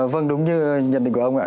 vâng đúng như nhận định của ông ạ